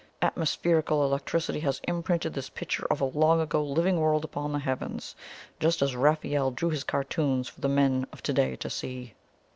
Atmospherical electricity has imprinted this picture of a long ago living world upon the heavens, just as Raphael drew his cartoons for the men of to day to see."